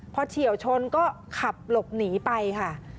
พอเฉียวชนก็ขับหลบหนีไปค่ะ